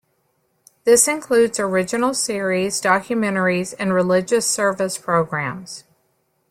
This includes original series, documentaries and religious service programs.